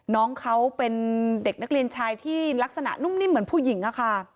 น้องเขาเป็นเด็กนักเรียนชายที่ลักษณะนุ่มนิ่มเหมือนผู้หญิงอะค่ะ